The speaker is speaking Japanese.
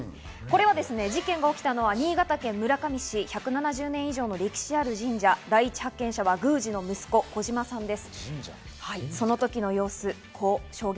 事件が起きたのは新潟県、１７０年以上の歴史ある神社、第一発見者は宮司の息子・小島さんです。